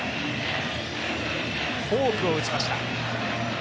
フォークを打ちました。